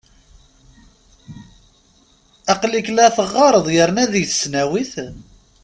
Aqel-ik la teɣɣareḍ yerna deg tesnawit ?